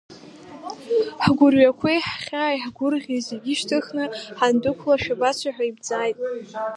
Ҳгәырҩақәеи, ҳхьааи, ҳгәырӷьеи зегь шьҭыхны, ҳандәықәла, шәабацои ҳәа имҵааит…